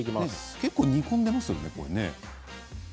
結構煮込んでいますよね。